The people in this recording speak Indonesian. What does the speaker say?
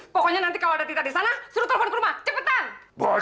pokoknya nanti kalau ada tidak di sana suruh telepon ke rumah cepetan